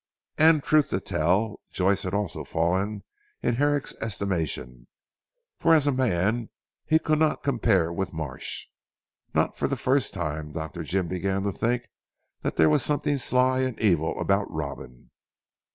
And truth to tell, Joyce had fallen also in Herrick's estimation; for as a man he could not compare with Marsh. Not for the first time Dr. Jim began to think there was something sly and evil about Robin.